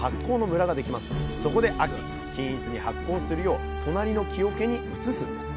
そこで秋均一に発酵するよう隣の木おけに移すんです。